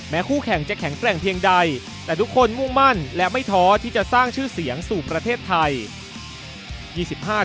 คู่แข่งจะแข็งแกร่งเพียงใดแต่ทุกคนมุ่งมั่นและไม่ท้อที่จะสร้างชื่อเสียงสู่ประเทศไทย